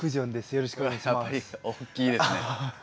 よろしくお願いします。